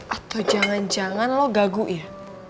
atau jangan jangan lo gagu ya